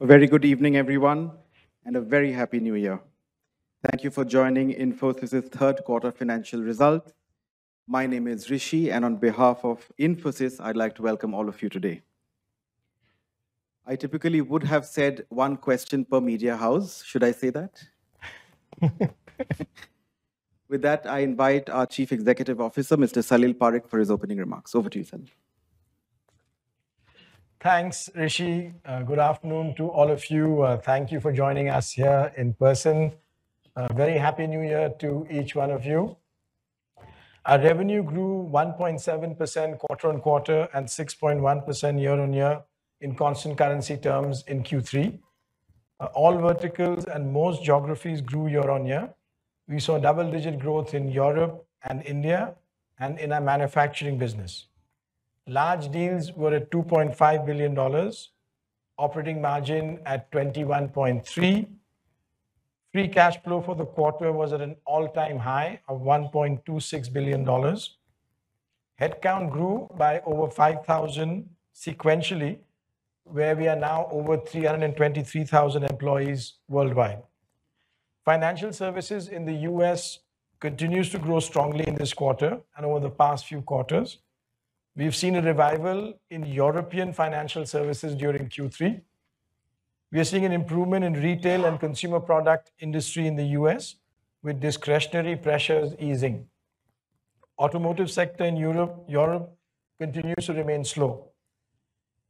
A very good evening everyone and a very happy new year. Thank you for joining Infosys third quarter financial results. My name is Rishi and on behalf of Infosys, I'd like to welcome all of you today. I typically would have said one question per media house. Should I say that? With that I invite our Chief Executive Officer, Mr. Salil Parekh for his opening remarks. Over to you, Salil. Thanks, Rishi. Good afternoon to all of you. Thank you for joining us here in person. Very happy New Year to each one of you. Our revenue grew 1.7% quarter on quarter and 6.1% year on year in constant currency terms. In Q3, all verticals and most geographies grew year on year. We saw double-digit growth in Europe and India and in our manufacturing business. Large deals were at $2.5 billion. Operating margin at 21.3%. Free cash flow for the quarter was at an all-time high of $1.26 billion. Headcount grew by over 5,000 sequentially where we are now over 323,000 employees worldwide. Financial services in the U.S. continues to grow strongly in this quarter. And over the past few quarters we've seen a revival in European financial services. During Q3 we are seeing an improvement in retail and consumer product industry in the U.S. with discretionary pressures easing. Automotive sector in Europe continues to remain slow.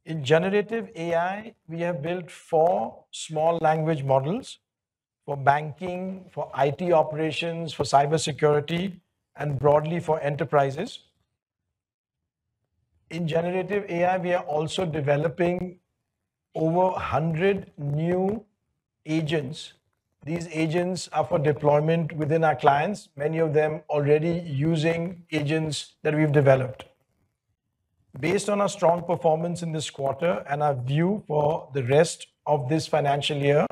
In generative AI, we have built four small language models for banking, for IT operations, for cybersecurity and broadly for enterprises. In generative AI we are also developing over 100 new agents. These agents are for deployment within our clients, many of them already using agents that we've developed. Based on our strong performance in this quarter and our view for the rest of this financial year,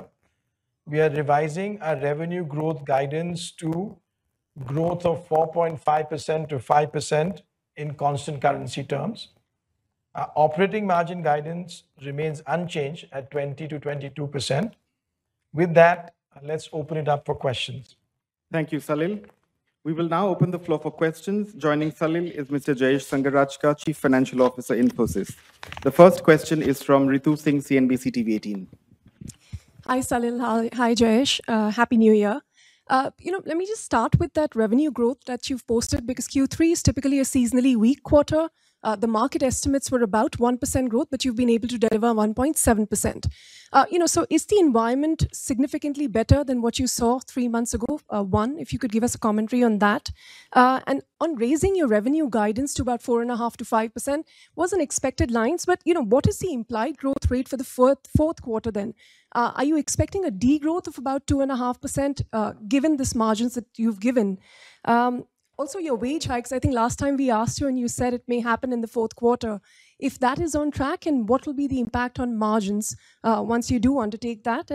we are revising our revenue growth guidance to growth of 4.5%-5% in constant currency terms. Our operating margin guidance remains unchanged at 20%-22%. With that, let's open it up for questions. Thank you, Salil. We will now open the floor for questions. Joining Salil is Mr. Jayesh Sanghrajka, Chief Financial Officer, Infosys. The first question is from Ritu Singh, CNBC-TV18. Hi Salil. Hi Jayesh. Happy New Year. You know, let me just start with that revenue growth that you've posted. Because Q3 is typically a seasonally weak quarter, the market estimates were about 1% growth, but you've been able to deliver 1.7%. You know. So is the environment significantly better than what you saw three months ago? If you could give us a commentary on that and on raising your revenue guidance to about 4.5%-5% was an expected lines. But you know, what is the implied growth rate for the fourth quarter then are you expecting a degrowth of about 2.5% given this margins that you've given, also your wage hikes? I think last time we asked you and you said it may happen in the fourth quarter if that is on track. What will be the impact on margins once you do undertake that?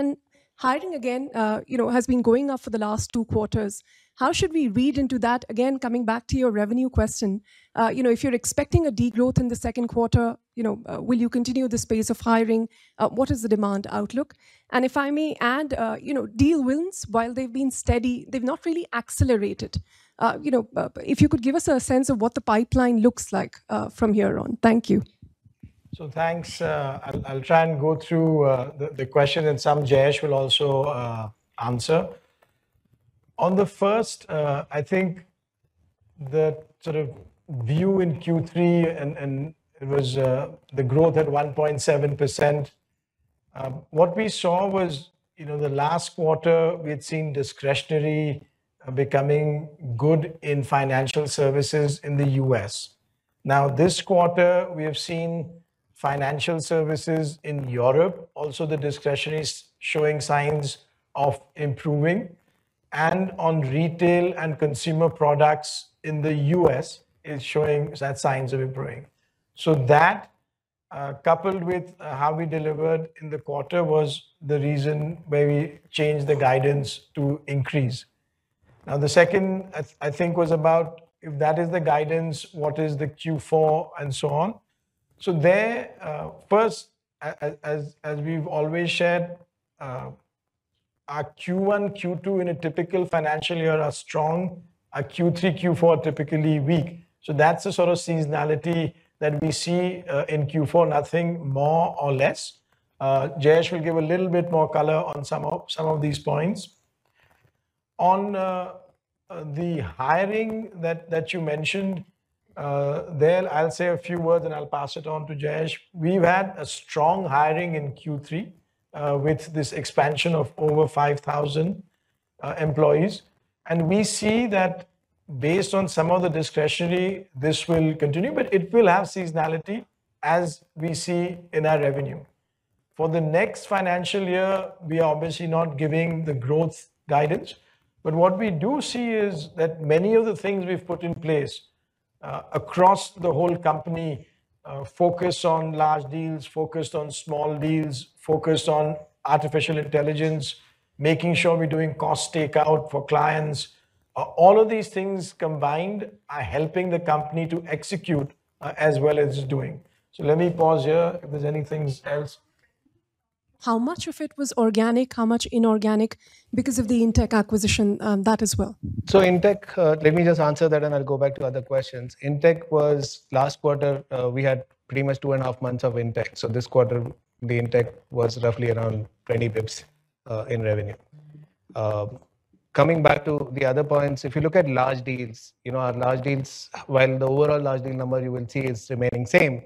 Hiring again has been going up for the last two quarters. How should we read into that? Again, coming back to your revenue question, if you're expecting a degrowth in the second quarter, will you continue this pace of hiring? What is the demand outlook? And if I may add, deal wins? While they've been steady, they've not really accelerated. You know, if you could give us a sense of what the pipeline looks like from here on. Thank you. So thanks. I'll try and go through the question and some Jayesh will also answer. On the first, I think the sort of view in Q3 and it was the growth at 1.7%. What we saw was the last quarter we had seen discretionary becoming good in financial services in the U.S. now this quarter we have seen financial services in Europe, also the discretionary showing signs of improving. And on retail and consumer products in the U.S. it's showing that signs are improving. So that coupled with how we delivered in the quarter was the reason where we changed the guidance to increase. Now the second I think was about if that is the guidance, what is the Q4 and so on. So there first, as we've always shared our Q1, Q2 in a typical financial year are strong, a Q3, Q4 typically weak. That's the sort of seasonality that we see in Q4, nothing more or less. Jayesh will give a little bit more color on some of these points. On the hiring that you mentioned there, I'll say a few words and I'll pass it on to Jayesh. We've had a strong hiring in Q3 with this expansion of over 5,000 employees. We see that based on some of the discretionary, this will continue, but it will have seasonality as we see in our revenue for the next financial year. We are obviously not giving the growth guidance, but what we do see is that many of the things we've put in place across the whole company focus on large deals, focused on small deals, focused on artificial intelligence, making sure we're doing cost takeout for clients. All of these things combined are helping the company to execute as well as doing so. Let me pause here if there's anything else. How much of it was organic? How much inorganic because of the in-tech acquisition? That as well. So in-tech. Let me just answer that and I'll go back to other questions. in-tech was last quarter we had pretty much two and a half months of in-tech. So this quarter the in-tech was roughly around 20 basis points in revenue. Coming back to the other points, if you look at large deals, our large deals, while the overall large deal number you will see is remaining same,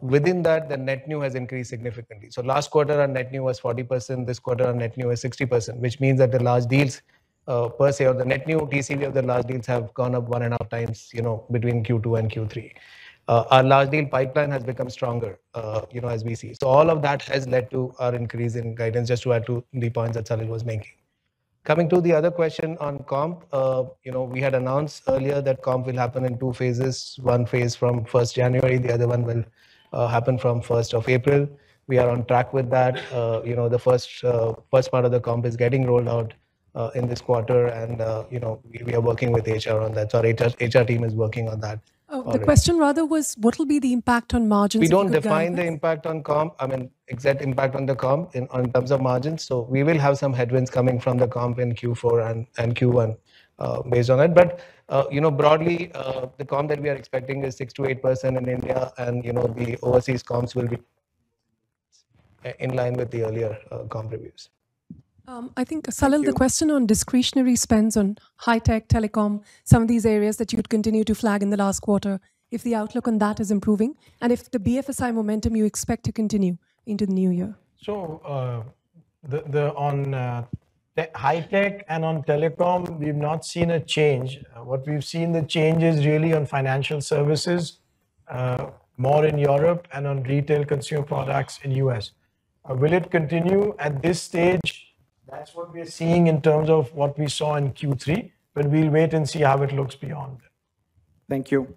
within that the net new has increased significantly. So last quarter our net new was 40%. This quarter our net new is 60%. Which means that the large deals per se or the net new TCV of the large deals have gone up one and a half times between Q2 and Q3, our large deal pipeline has become stronger as we see. So all of that has led to our increase in guidance just to add to the points that Salil was making. Coming to the other question on comp. You know we had announced earlier that comp will happen in two phases. One phase from the 1st of January, the other one will happen from 1st of April. We are on track with that. The first part of the comp is getting rolled out in this quarter and we are working with HR on that. Sorry, HR team is working on that. The question rather was what will be the impact on margin? We don't define the impact on comp. I mean, exact impact on the comp in terms of margins. So we will have some headwinds coming from the comp in Q4 and Q1 based on it. But you know, broadly the comp that we are expecting is 6%-8% in India and you know the overseas comps will be in line with the earlier comp reviews. I think Salil, the question on discretionary spends on high tech telecom, some of these areas that you would continue to flag in the last quarter, if the outlook on that is improving and if the BFSI momentum you expect to continue into the new year. So on high tech and on telecom, we've not seen a change. What we've seen the change is really on financial services more in Europe and on retail consumer products in the US. Will it continue at this stage? That's what we are seeing in terms of what we saw in Q3, but we'll wait and see how it looks beyond. Thank you.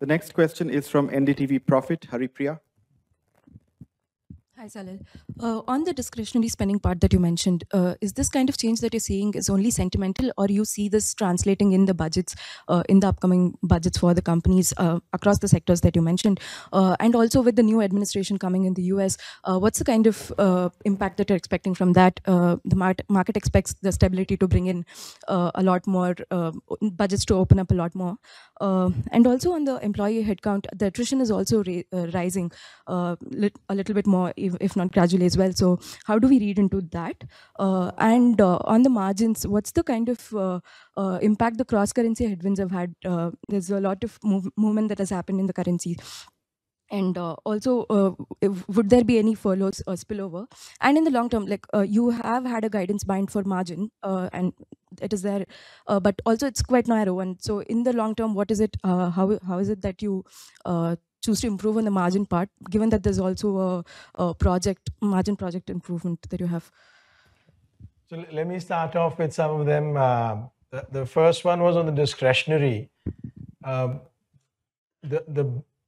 The next question is from NDTV Profit. Haripriya. Hi Salil. On the discretionary spending part that you mentioned, is this kind of change that you're seeing only sentimental or do you see this translating in the budgets, in the upcoming budgets for the companies across the sectors that you mentioned? And also with the new administration coming in the U.S. what's the kind of impact that you're expecting from that? The market expects the stability to bring in a lot more budgets to open up a lot more. And also on the employee headcount, the attrition is also rising a little bit more, if not gradually as well. So how do we read into that? And on the margins, what's the kind of impact the cross currency headwinds have had? There's a lot of movement that has happened in the currencies and also would there be any furloughs or spillover? In the long term, like you have had a guidance band for margin and it is there, but also it's quite narrow. So in the long term, what is it, how, how is it that you choose to improve on the margin part, given that there's also a project margin, project improvement that you have. So let me start off with some of them. The first one was on the discretionary. The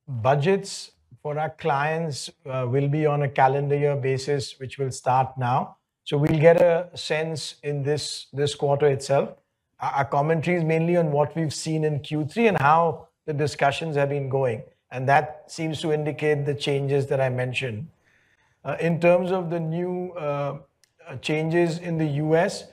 budgets for our clients will be on a calendar year basis which will start now. So we'll get a sense in this quarter itself. Our commentary is mainly on what we've seen in Q3 and how the discussions have been going and that seems to indicate the changes that I mentioned in terms of the new changes in the U.S.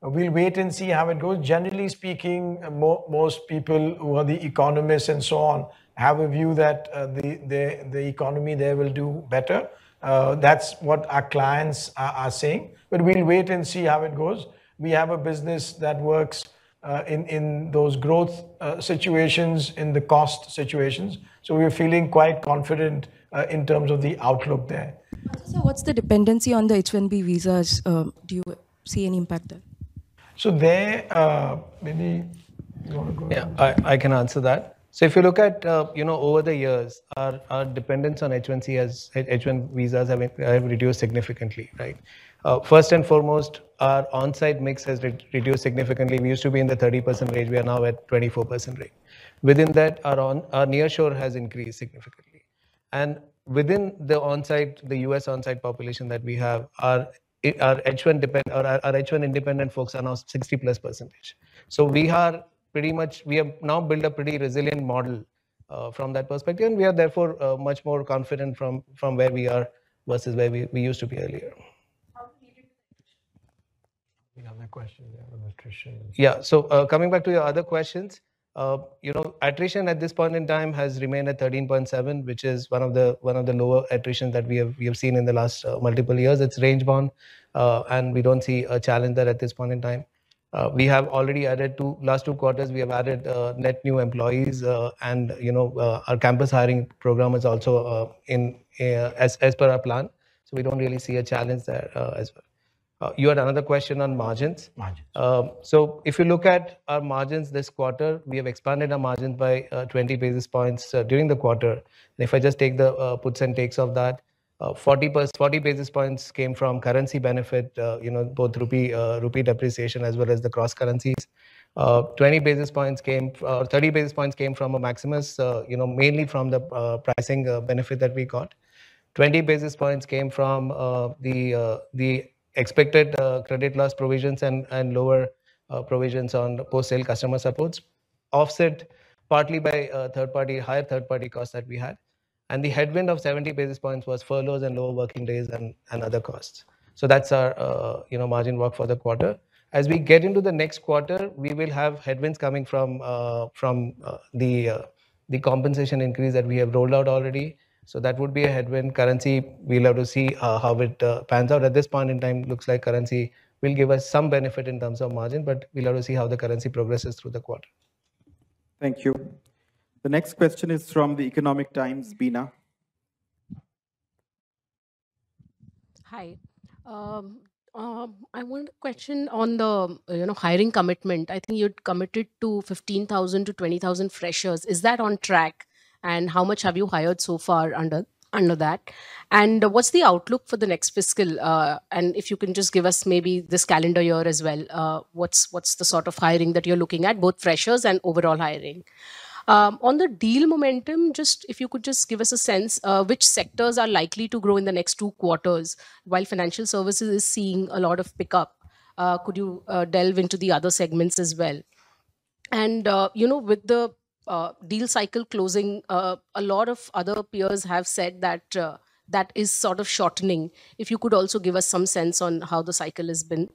We'll wait and see how it goes. Generally speaking, most people who are the economists and so on have a view that the economy there will do better. That's what our clients are saying. But we'll wait and see how it goes. We have a business that works in those growth situations, in the cost situations, so we're feeling quite confident in terms of the outlook there. What's the dependency on the H-1B visas? Do you see any impact there? So, there, maybe I can answer that. So if you look at over the years, our dependence on H-1B's as H-1B visas have reduced significantly. Right. First and foremost, our onsite mix has reduced significantly. We used to be in the 30% range, we are now at 24% range. Within that, our nearshore has increased significantly and within the onsite, the U.S. onsite population that we have, our H-1B dependent or our H-1B independent folks are now 60-plus%. So we are pretty much, we have now built a pretty resilient model from that perspective and we are therefore much more confident from where we are versus where we used to be earlier. Yeah. So coming back to your other questions, you know, attrition at this point in time has remained at 13.7%, which is one of the lower attrition that we have. We have seen in the last multiple years. It's range bound and we don't see a challenge there at this point in time. We have already added last two quarters, we have added net new employees and our campus hiring program is also as per our plan. So we don't really see a challenge there as well. You had another question on margins. So if you look at our margins this quarter, we have expanded our margins by 20 basis points during the quarter. If I just take the puts and takes of that, 40 basis points came from currency benefit, both rupee depreciation as well as the cross currencies. 20 basis points came, 30 basis points came from Project Maximus, mainly from the pricing benefit that we got. 20 basis points came from the expected credit loss provisions and lower provisions on post-sale customer supports offset partly by higher third-party costs that we had. And the headwind of 70 basis points was furloughs and lower working days and other costs. So that's our margin work for the quarter. As we get into the next quarter we will have headwinds coming from. The. Compensation increase that we have rolled out already. So that would be a headwind. Currency. We'll have to see how it pans out at this point in time. Looks like currency will give us some benefit in terms of margin, but we'll have to see how the currency progresses through the quarter. Thank you. The next question is from The Economic Times, Bindu. Hi, I want a question on the, you know, hiring commitment. I think you'd committed to 15,000-20,000 freshers. Is that on track and how much have you hired so far under that? And what's the outlook for the next fiscal. And if you can just give us maybe this calendar year as well. What's the sort of hiring that you're looking at both freshers and overall hiring on the deal momentum? Just if you could just give us a sense which sectors are likely to in the next two quarters. While financial services is seeing a lot of pickup, could you delve into the other segments as well? And you know, with the deal cycle closing, a lot of other peers have said that that is sort of shortening. If you could also give us some sense on how the cycle has been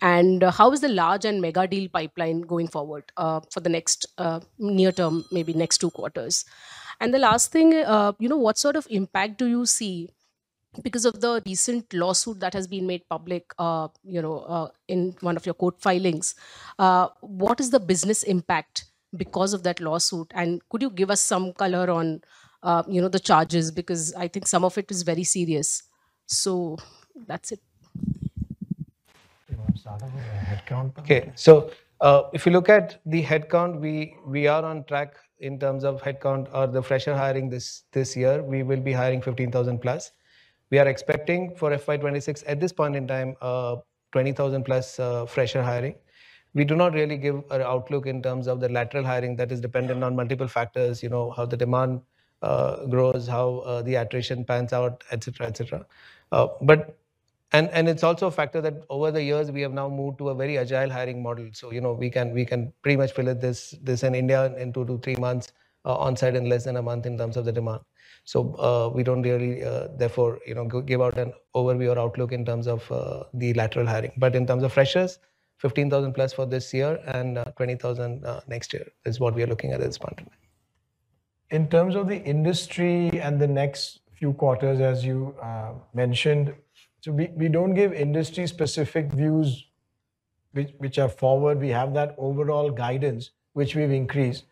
and how is the large and mega deal pipeline going forward for the next near term, maybe next two quarters. And the last thing, you know, what sort of impact do you see because of the recent lawsuit that has been made public, you know, in one of your court filings. What is the business impact because of that lawsuit? And could you give us some color on, you know, the charges? Because I think some of it is very serious. So that's it. Okay. So if you look at the headcount, we are on track in terms of headcount or the fresher hiring. This year we will be hiring 15,000 plus. We are expecting for FY26 at this point in time, 20,000 plus fresher hiring. We do not really give an outlook in terms of the lateral hiring that is dependent on multiple factors, you know, how the demand grows, how the attrition pans out, etc. But it's also a factor that over the years we have now moved to a very agile hiring model. So, you know, we can pretty much fill it in India in two to three months on site in less than a month in terms of the demand. So we don't really therefore give out an overview or outlook in terms of the lateral hiring. But in terms of freshers, 15,000 plus for this year and 20,000 next year is what we are looking at its part. Part of in terms of the industry and the next few quarters. As you mentioned, we don't give industry specific views which are forward. We have that overall guidance which we've increased.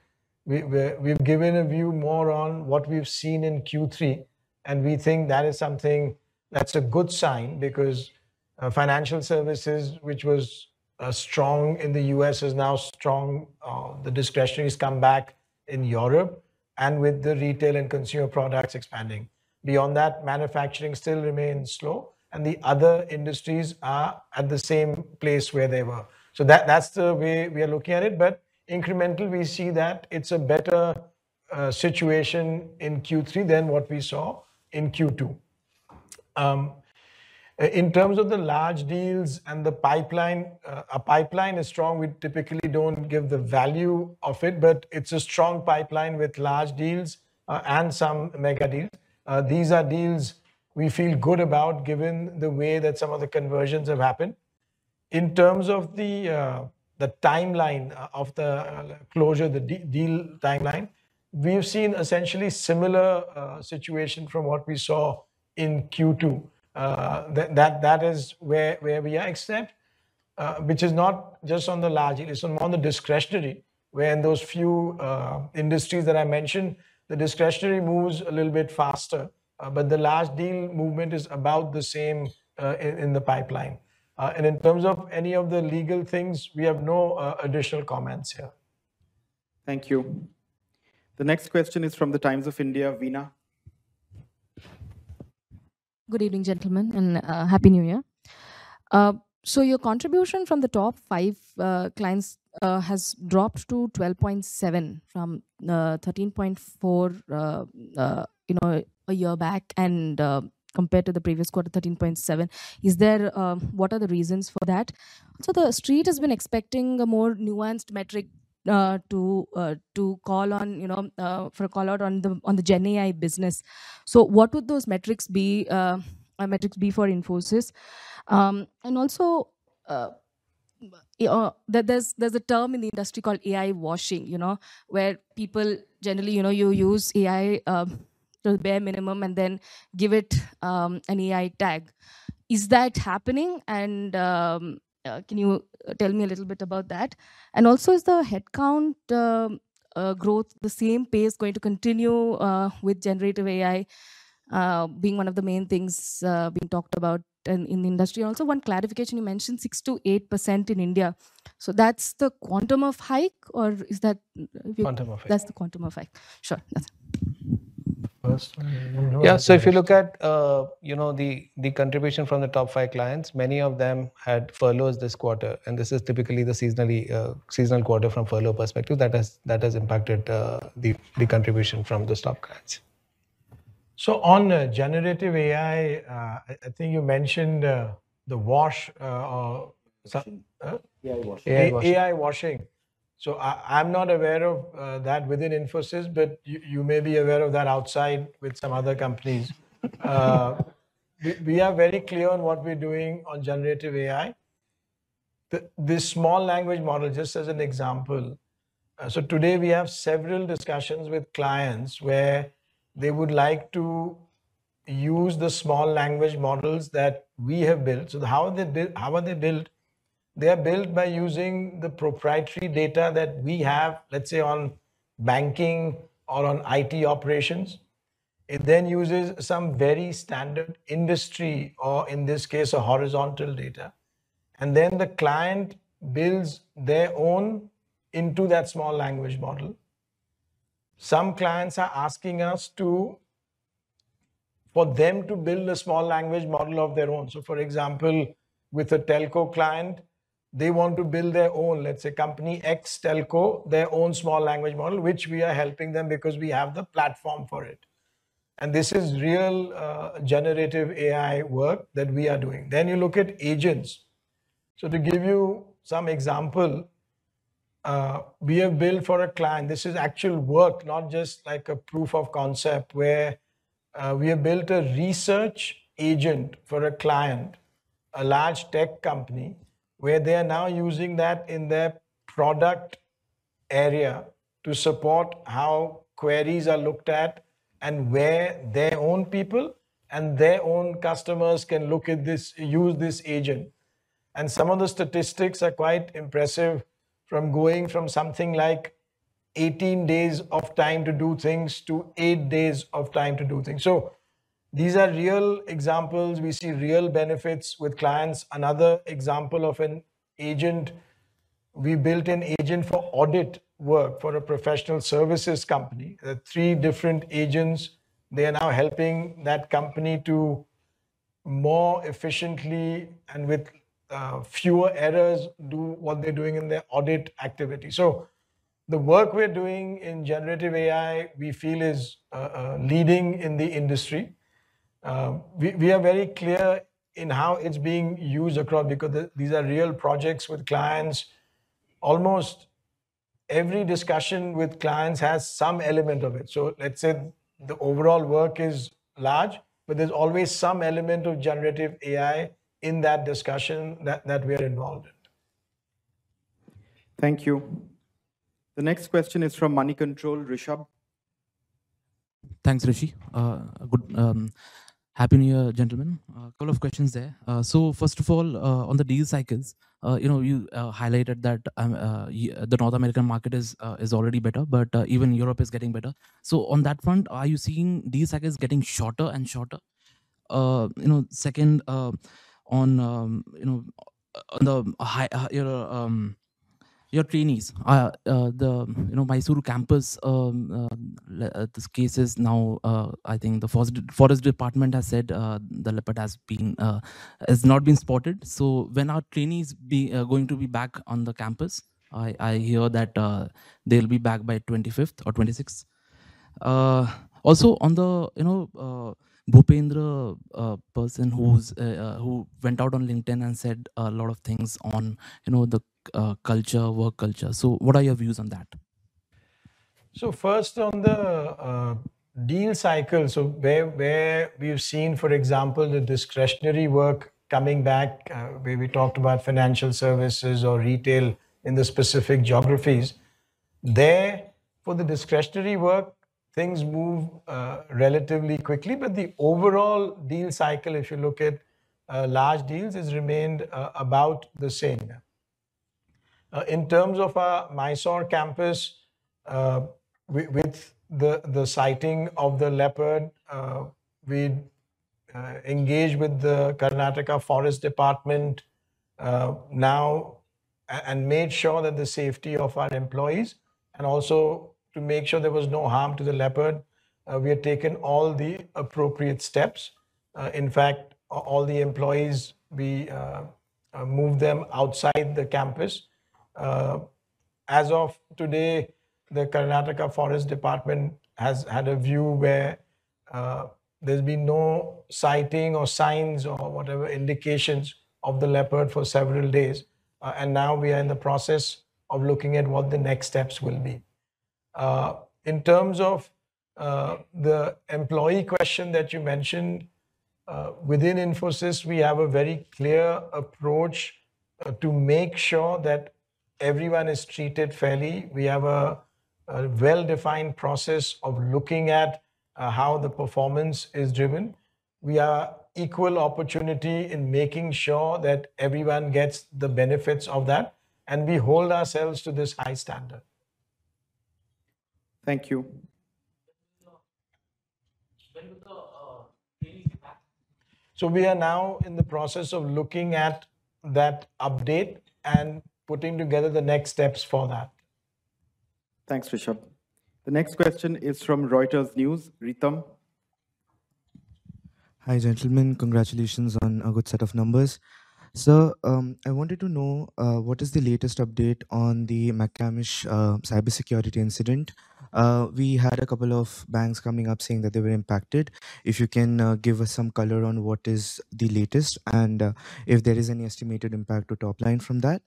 We, we've given a view more on what we've seen in Q3 and we think that is something that's a good sign because financial services, which was strong in the U.S. is now strong. The discretionary has come back in Europe and with the retail and consumer products expanding beyond that, manufacturing still remains slow and the other industries are at the same place where they were. So that's the way we are looking at it, but incremental. We see that it's a better situation in Q3 than what we saw in Q2 in terms of the large deals and the pipeline. Our pipeline is strong. We typically don't give the value of it, but it's a strong pipeline with large deals and some mega deals. These are deals we feel good about given the way that some of the conversions have happened. In terms of the timeline of the closure, the deal timeline, we've seen essentially similar situation from what we saw in Q2. That is where we accept, which is not just on the large deal, it's on the discretionary where in those few industries that I mentioned the discretionary moves a little bit faster, but the large deal movement is about the same in the pipeline. In terms of any of the legal things, we have no additional comments here. Thank you. The next question is from The Times of India, Veena. Good evening gentlemen and happy New Year. So your contribution from the top five clients has dropped to 12.7 from 13.4 a year back and compared to the previous quarter, 13.7 is there, what are the reasons for that? So the street has been expecting a more nuanced metric to call on, you know, for a call out on the gen business. So what would those metrics be? Metrics for Infosys. And also there's a term in the industry called AI washing, you know, where people generally, you know, you use AI to the bare minimum and then give it an AI tag. Is that happening? And can you tell me a little bit about that? And also is the headcount growth the same pace going to continue with generative AI being one of the main things being talked about in the industry? Also, one clarification, you mentioned 6%-8% in India. So that's the quantum of hike or is that, that's the quantum effect. Sure. Yeah. So if you look at, you know, the contribution from the top five clients, many of them had furloughs this quarter and this is typically the seasonal quarter from furlough perspective that has impacted the contribution from the top clients. So on generative AI, I think you mentioned the AI washing. So I'm not aware of that within Infosys, but you may be aware of that outside with some other companies. We are very clear on what we're doing on generative AI, this small language model, just as an example. So today we have several discussions with clients where they would like to use the small language models that we have built. So how are they built? They are built by using the proprietary data that we have, let's say on banking or on IT operations. It then uses some very standard industry or in this case a horizontal data and then the client builds their own into that small language model. Some clients are asking us to, for them to build a small language model of their own. So for example with a telco client, they want to build their own, let's say Company X Telco, their own small language model which we are helping them because we have the platform for it and this is real generative AI work that we are doing. Then you look at agents. So to give you some example, we have built for a client. This is actual work, not just like a proof of concept where we have built a research agent for a client, a large tech company where they are now using that in their product area to support how queries are looked at and where their own people and their own customers can look at this, use this agent. And some of the statistics are quite impressive. From going from something like 18 days of time to do things to eight days of time to do things. So these are real examples. We see real benefits with clients. Another example of an agent. We built an agent for audit work for a professional services company. Three different agents. They are now helping that company to more efficiently and with fewer errors do what they're doing in their audit activity. So the work we're doing in generative AI we feel is leading in the industry. We are very clear in how it's being used across. Because these are real projects with clients. Almost every discussion with clients has some element of it. So let's say the overall work is large but there's always some element of generative AI in that discussion that we are involved in. Thank you. The next question is from Moneycontrol. Rishabh. Thanks Rishi. Good. Happy New Year. Gentlemen. A couple of questions there. So first of all on the deal cycles, you know you highlighted that the North American market is, is already better but even Europe is getting better. So on that front are you seeing these cycles getting shorter and shorter? You know. Second on, you know, on the, your trainees, the you know, Mysore campus. This case is now I think the forest department has said the leopard has been, has not been spotted. So when our trainees be going to be back on the campus, I hear that they'll be back by 25th or 26th. Also on the, you know, Bhupendra person who's, who went out on LinkedIn and said a lot of things on you know, the culture, work culture. So what are your views on that? First on the deal cycle. Where we've seen, for example, the discretionary work coming back where we talked about financial services or retail in the specific geographies there for the discretionary work things move relatively quickly. But the overall deal cycle if you look at large deals has remained about the same. In terms of our Mysore campus with the sighting of the leopard we engaged with the Karnataka Forest Department now and made sure that the safety of our employees and also to make sure there was no harm to the leopard. We had taken all the appropriate steps. In fact all the employees, we moved them outside the campus as of today the Karnataka Forest Department has had a view where there's been no sighting or signs or whatever indications of the leopard for several days. Now we are in the process of looking at what the next steps will be in terms of the employee question that you mentioned. Within Infosys, we have a very clear approach to make sure that everyone is treated fairly. We have a well-defined process of looking at how the performance is driven. We are equal opportunity in making sure that everyone gets the benefits of that, and we hold ourselves to this high standard. Thank you. We are now in the process of looking at that update and putting together the next steps for that. Thanks, Rishabh. The next question is from Reuters News, Hritam. Hi, gentlemen. Congratulations on a good set of numbers. Sir, I wanted to know what is the latest update on the McCamish cybersecurity incident. We had a couple of banks coming up saying that they were impacted. If you can give us some color on what is the latest and if there is any estimated impact to top line from that.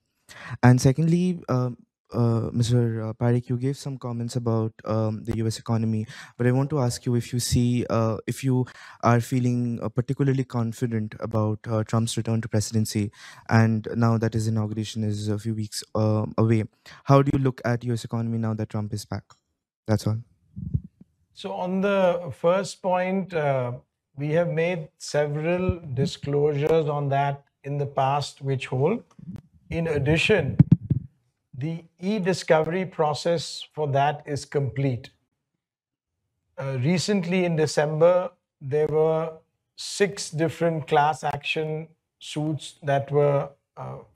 And secondly, Mr. Parekh, you gave some comments about the U.S. economy, but I want to ask you if you see if you are feeling particularly confident about Trump's return to presidency and now that his inauguration is a few weeks away, how do you look at U.S. economy now that Trump is back? That's all. So on the first point, we have made several disclosures on that in the past which hold. In addition, the e-discovery process for that is complete. Recently in December, there were six different class action suits that were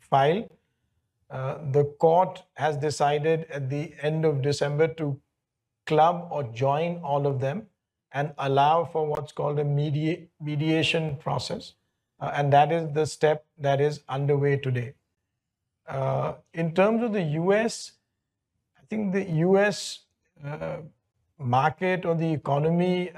filed. The court has decided at the end of December to club or join all of them and allow for what's called a mediation process. And that is the step that is underway today. In terms of the U.S., I think the U.S. market or the economy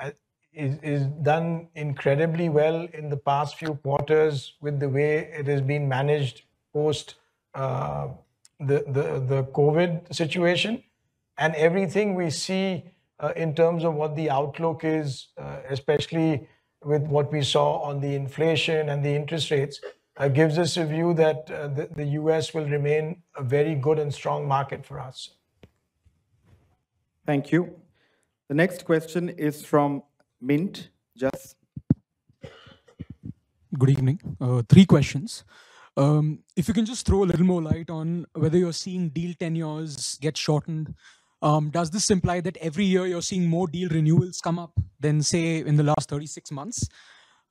is done incredibly well in the past few quarters with the way it has been managed post the COVID situation and everything we see in terms of what the outlook is, especially with what we saw on the inflation and the interest rates, gives us a view that the U.S. will remain a very good and strong market for us. Thank you. The next question is from Mint, Jasmine. Good evening. Three questions. If you can just throw a little more light on whether you're seeing deal tenures get shortened. Does this imply that every year you're seeing more deal renewals come up than say in the last 36 months?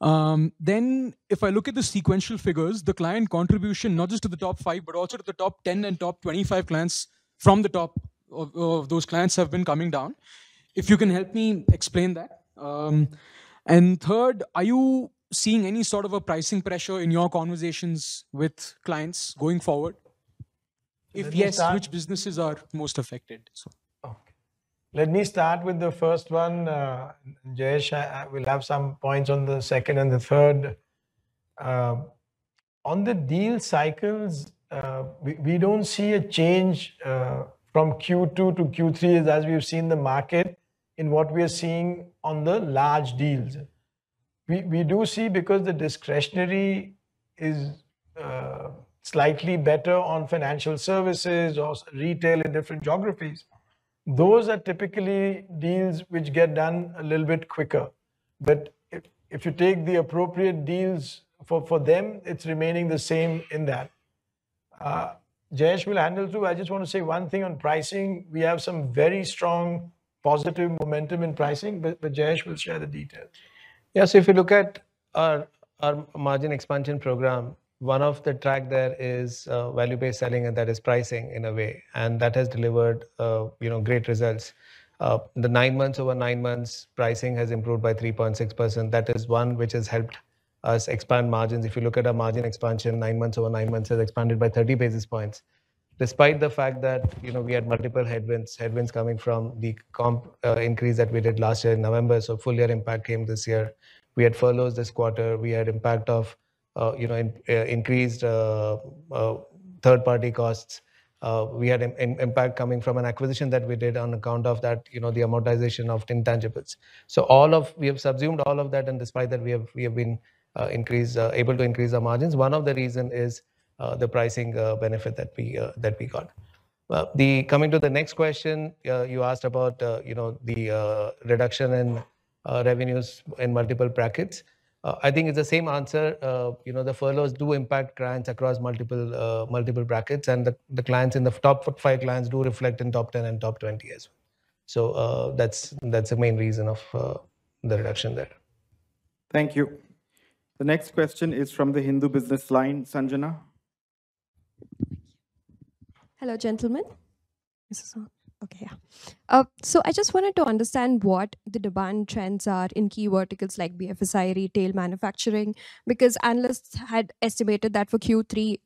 Then if I look at the sequential figures, the client contribution not just to the top five but also to the top 10 and top 25 clients from the top of those clients have been coming down if you can help me explain that. And third, are you seeing any sort of a pricing pressure in your conversations with clients going forward? If yes, which businesses are most affected? Let me start with the first one, Jayesh. We'll have some points on the second and the third. On the deal cycles, we don't see a change from Q2 to Q3 as we've seen the market in what we are seeing. On the large deals, we do see because the discretionary is slightly better on financial services or retail in different geographies. Those are typically deals which get done a little bit quicker. But if you take the appropriate deals for them, it's remaining the same in that Jayesh will handle through. I just want to say one thing on pricing. We have some very strong positive momentum in pricing. But Jayesh will share the details. Yeah. So if you look at our margin expansion program, one of the tracks there is value-based selling and that is pricing in a way. And that has delivered great results. Over nine months pricing has improved by 3.6%. That is one which has helped us expand margins. If you look at our margin expansion over nine months has expanded by 30 basis points. Despite the fact that we had multiple headwinds, headwinds coming from the comp increase that we did last year in November, so full year impact came. This year we had furloughs. This quarter we had impact of increased third-party costs. We had impact coming from an acquisition that we did on account of the amortization of intangibles, so we have subsumed all of that and despite that we have been able to increase our margins. One of the reason is the pricing benefit that we got. Coming to the next question you asked about the reduction in revenues in multiple brackets, I think it's the same answer. The furloughs do impact clients across multiple brackets and the clients in the top five clients do reflect in top 10 and top 20 as well. So that's the main reason of the reduction there. Thank you. The next question is from The Hindu BusinessLine, Sanjana. Hello gentlemen. Okay, so I just wanted to understand what the demand trends are in key verticals like BFSI, retail, manufacturing. Because analysts had estimated that for Q3,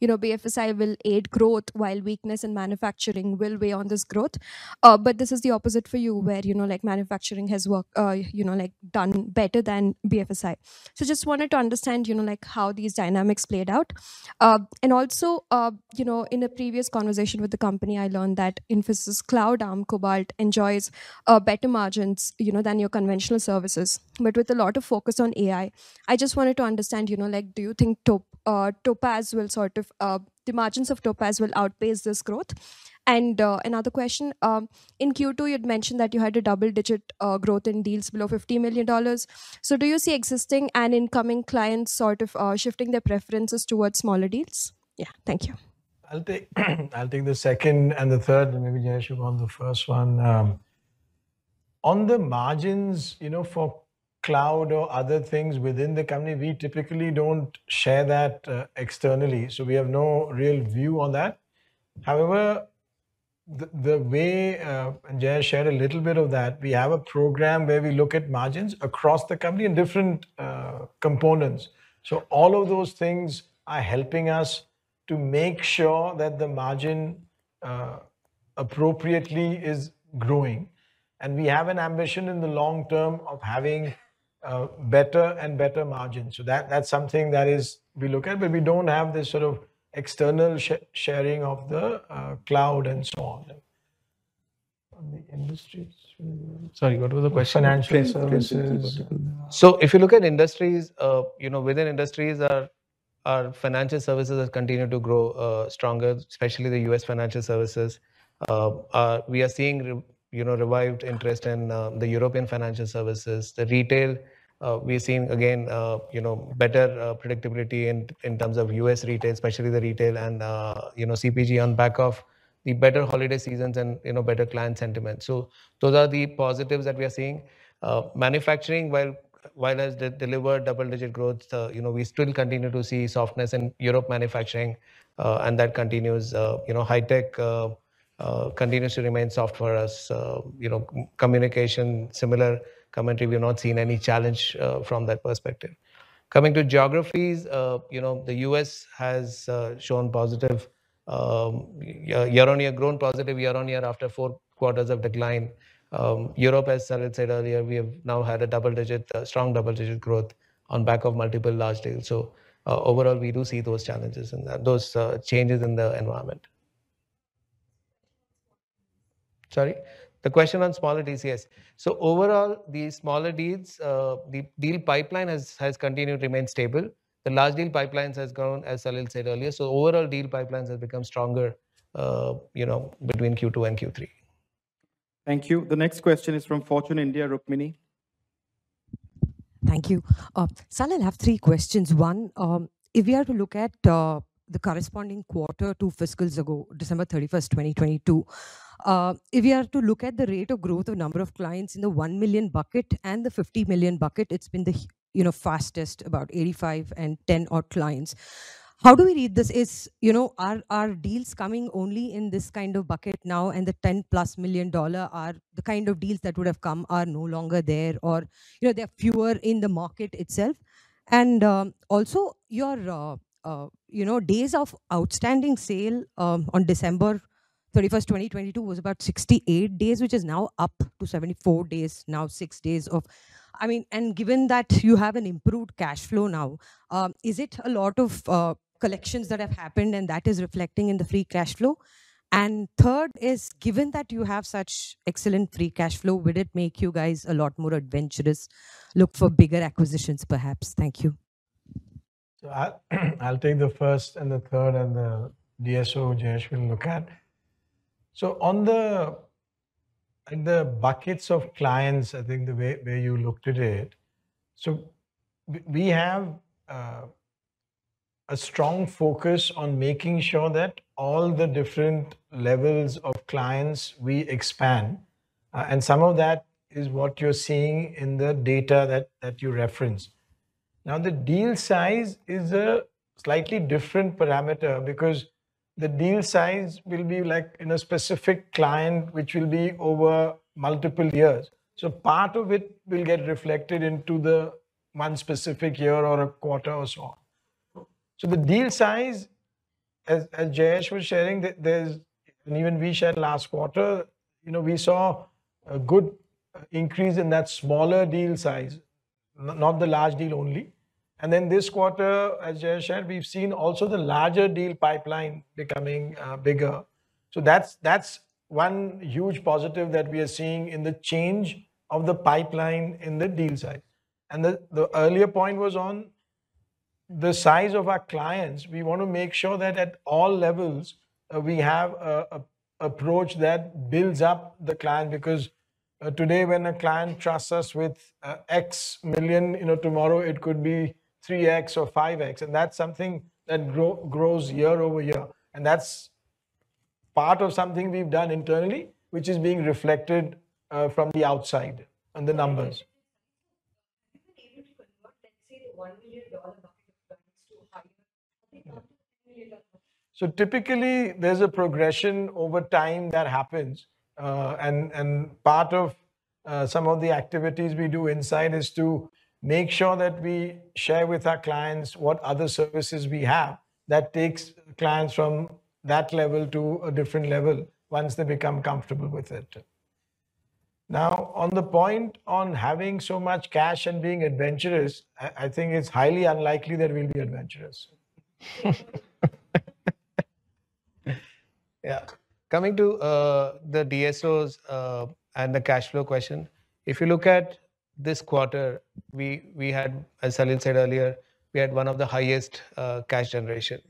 you know, BFSI will aid growth while weakness in manufacturing will weigh on this growth. But this is the opposite for you where you know like manufacturing has worked, you know, like done better than BFSI. So just wanted to understand, you know, like how these dynamics played out. And also, you know, in a previous conversation with the company I learned that Infosys cloud arm Cobalt enjoys better margins, you know, than your conventional services, but with a lot of focus on AI. I just wanted to understand, you know, like do you think Topaz will sort of, the margins of Topaz, will outpace this growth? Another question in Q2 you'd mentioned that you had double-digit growth in deals below $50 million. So do you see existing and incoming clients sort of shifting their preferences towards smaller deals? Yeah, thank you. I'll take, I'll take the second and the third maybe. Jayesh, you go on the first one. On the margins, you know, for cloud or other things within the company, we typically don't share that externally. So we have no real view on that. However, the way Anjaya shared a little bit of that, we have a program where we look at margins across the company in different components. So all of those things are helping us to make sure that the margin appropriately is growing and we have an ambition in the long term of having better and better margins. So that's something that is we look at but we don't have this sort of external sharing of the cloud and so on. Sorry, what was the question? Financial services. So if you look at industries, you know, within industries, our financial services has continued to grow stronger, especially the US financial services. We are seeing, you know, revived interest in the European financial services. The retail we've seen again better predictability in terms of US Retail especially the retail and CPG on back of the better holiday seasons and better client sentiment. So those are the positives that we are seeing. Manufacturing while has delivered double-digit growth. We still continue to see softness in Europe manufacturing and that continues. High tech continues to remain soft for us, you know, communication similar commentary. We have not seen any challenge from that perspective coming to geographies. You know the US has shown positive year-on-year growth after four quarters of decline. Europe, as Salil said earlier, we have now had a double digit strong double digit growth on back of multiple large deals. Overall we do see those challenges and those changes in the environment. Sorry, the question on smaller deals. Overall the smaller deals, the deal pipeline has continued remain stable. The large deal pipelines has grown as Salil said earlier. Overall deal pipelines have become stronger between Q2 and Q3. Thank you. The next question is from Fortune India Rukmini. Thank you. Salil, I have three questions. One, if we are to look at the corresponding quarter two fiscals ago December 31, 2022 if you are to look at the rate of growth of number of clients in the $1 million bucket and the $50 million bucket, it's been the, you know, fastest about 85 and 10 odd clients. How do we read this is, you know, are deals coming only in this kind of bucket now? And the ten plus million dollar are the kind of deals that would have come are no longer there or you know, they're fewer in the market itself. And also your days sales outstanding on December 31, 2022 was about 68 days, which is now up to 74 days now six days of. I mean, and given that you have an improved cash flow now, is it a lot of collections that have happened and that is reflecting in the free cash flow? And third is given that you have such excellent free cash flow, would it make you guys a lot more adventurous look for bigger acquisitions perhaps. Thank you. I'll take the first and the third and the DSO. Jayesh will look at. So on the buckets of clients, I think the way you looked at it. So we have a strong focus on making sure that all the different levels of clients we expand and some of that is what you're seeing in the data that you reference. Now the deal size is a slightly different parameter because the deal size will be like in a specific client which will be over multiple years. So part of it will get reflected into the one specific year or a quarter or so on. So the deal size as Jayesh was sharing there's and even we shared last quarter, we saw a good increase in that smaller deal size, not the large deal only. And then this quarter, as Jayesh had, we've seen also the larger deal pipeline becoming bigger. So that's one huge positive that we are seeing in the change of the pipeline in the deal side. And the earlier point was on the size of our clients. We want to make sure that at all levels we have approach that builds up the client. Because today when a client trusts us with X million, you know, tomorrow it could be 3x or 5x and that's something that grows year-over-year. And that's part of something we've done internally, which is being reflected from the outside and the numbers. So typically there's a progression over time that happens and part of some of the activities we do inside is to make sure that we share with our clients what other services we have that takes clients from that level to a different level once they become comfortable with it. Now, on the point of having so much cash and being adventurous, I think it's highly unlikely that we'll be adventurous. Yeah. Coming to the DSOs and the cash flow question, if you look at this quarter, as Salil said earlier, we had one of the highest cash generation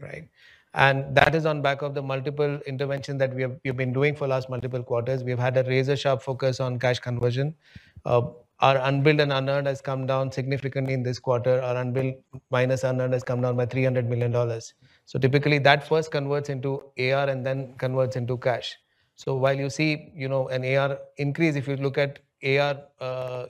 and that is on back of the multiple intervention that we have been doing for last multiple quarters. We have had a razor sharp focus on cash conversion. Our unbilled and unearned has come down significantly in this quarter. Our unbilled minus unearned has come down by $300 million. So typically that first converts into AR and then converts into cash. So while you see an AR increase, if you look at AR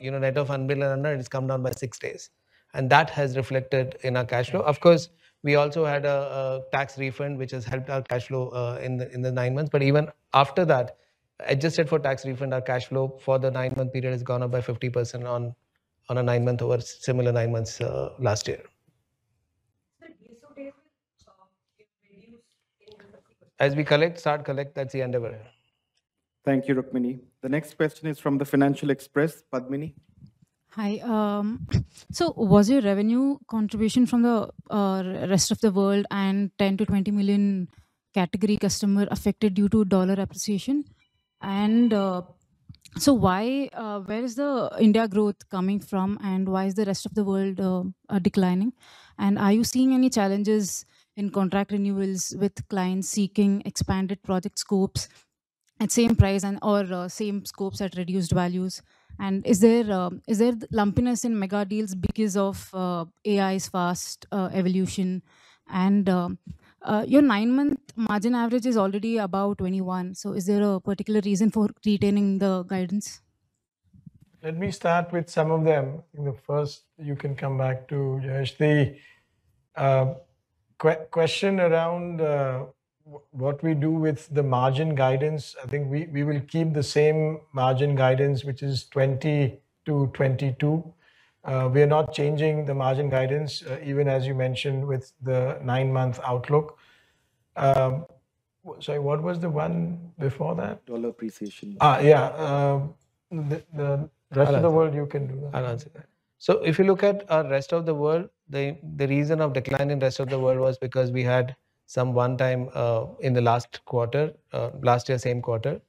net of unbilled and unearned, it's come down by six days and that has reflected in our cash flow. Of course we also had a tax refund which has helped our cash flow in the nine months. Even after that adjusted for tax refund, our cash flow for the nine-month period has gone up by 50% on a nine-month over similar nine months last year. As we collect. That's the endeavor. Thank you, Rukmini. The next question is from The Financial Express. Padmini. Hi. So, was your revenue contribution from the rest of the world and 10-20 million category customer affected due to dollar appreciation? And so, why, where is the India growth coming from and why is the rest of the world declining? And are you seeing any challenges in contract renewals with clients seeking expanded project scopes at same price and or same scopes at reduced values? And is there lumpiness in mega deals because of AI's fast evolution? And your 9-month margin average is already above 21%. So, is there a particular reason for retaining the guidance? Let me start with some of them. The first you can come back to Jayesh. The question around what we do with the margin guidance. I think we will keep the same margin guidance which is 20%-22%. We are not changing the margin guidance even as you mentioned with the 9-month outlook. Sorry, what was the one before that? Dollar appreciation. The rest of the world. You can do that. I'll answer that. So if you look at rest of the world, the reason for the decline in rest of the world was because we had some one-time in the last quarter last year, same quarter,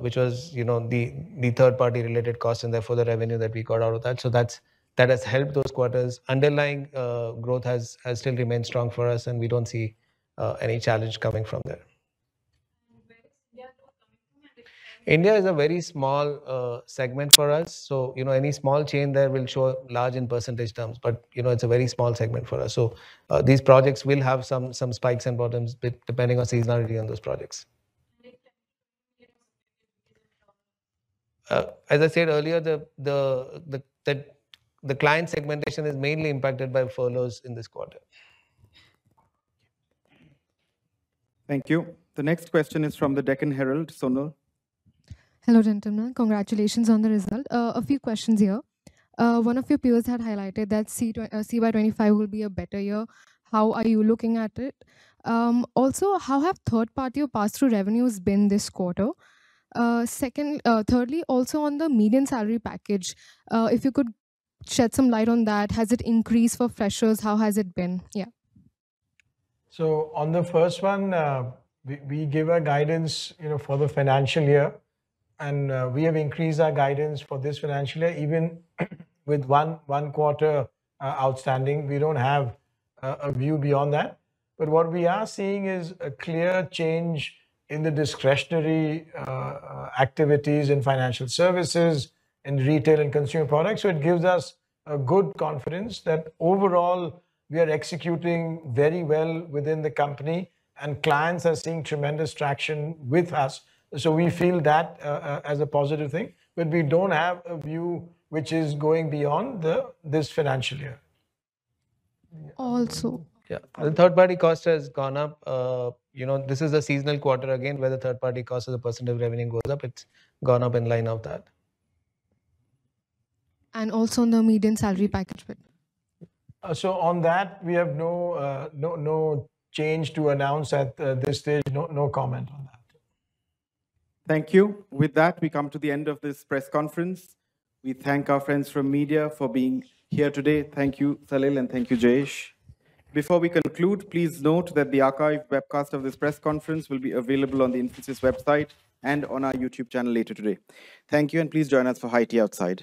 which was, you know, the third-party related cost and therefore the revenue that we got out of that. So that has helped. Those quarters' underlying growth has still remained strong for us, and we don't see any challenge coming from there. India is a very small segment for us. So you know, any small change there will show large in percentage terms. But you know, it's a very small segment for us. So these projects will have some spikes and bottoms depending on seasonality on those projects. As I said earlier, the client segmentation is mainly impacted by furloughs in this quarter. Thank you. The next question is from the Deccan Herald, Sonal. Hello gentlemen. Congratulations on the result. A few questions here. One of your peers had highlighted that CY 2025 will be a better year. How are you looking at it? Also, how have third-party pass-through revenues been this quarter? Second, thirdly. Also on the median salary package, if you could shed some light on that. Has it increased for freshers? How has it been? Yeah, so on the first one we give a guidance, you know, for the financial year and we have increased our guidance for this financial year. Even with one quarter outstanding. We don't have a view beyond that. But what we are seeing is a clear change in the discretionary activities in financial services in retail and consumer products. So it gives us a good confidence that overall we are executing very well within the company and clients are seeing tremendous traction with us. So we feel that as a positive thing. But we don't have a view which is going beyond this financial year. Also the third party cost has gone up. You know, this is a seasonal quarter again where the third party cost as a percentage of revenue goes up. It's gone up in line with that. Also, no median salary package. So on that we have no change to announce at this stage. No comment on that. Thank you. With that we come to the end of this press conference. We thank our friends from media for being here today. Thank you Salil and thank you Jayesh. Before we conclude, please note that the. Archived webcast of this press conference will be available on the Infosys website and on our YouTube channel later today. Thank you and please join us for high tea outside.